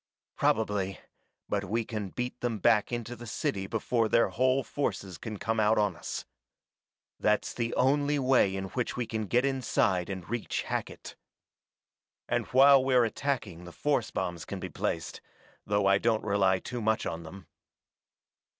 "Probably, but we can beat them back into the city before their whole forces can come out on us. That's the only way in which we can get inside and reach Hackett. And while we're attacking the force bombs can be placed, though I don't rely too much on them."